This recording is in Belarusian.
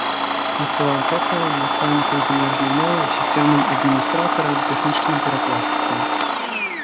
Працаваў токарам, настаўнікам замежнай мовы, сістэмным адміністратарам, тэхнічным перакладчыкам.